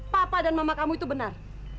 papa dan mama kamu itu benar